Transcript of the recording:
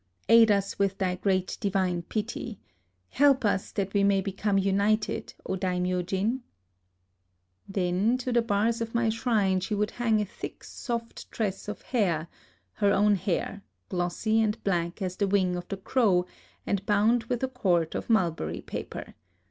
Aid us with thy great divine pity !— help us that we may be come united, O Daimyojin !" Then to the bars of my shrine she would hang a thick soft tress of hair, — her own hair, glossy and black as the wing of the crow, and bound with a cord of mulberry paper.